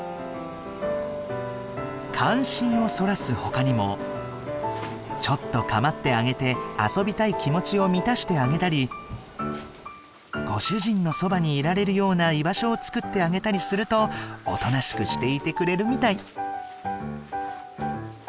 関心をそらすほかにもちょっと構ってあげて遊びたい気持ちを満たしてあげたりご主人のそばにいられるような居場所を作ってあげたりするとおとなしくしていてくれるみたい。